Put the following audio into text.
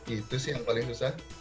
itu sih yang paling susah